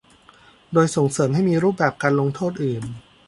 โดยส่งเสริมให้มีรูปแบบการลงโทษอื่น